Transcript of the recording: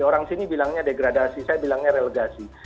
orang sini bilangnya degradasi saya bilangnya relegasi